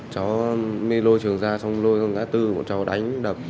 cháu mới lôi trường ra xong lôi con cá tư cháu đánh đập